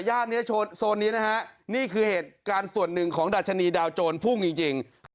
โซนนี้นะฮะนี่คือเหตุการณ์ส่วนหนึ่งของดัชนีดาวโจรพุ่งจริง